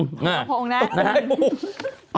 หุบกระพงนะ